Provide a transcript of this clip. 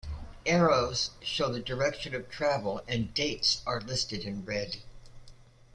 Arrows show the direction of travel and dates are listed in red.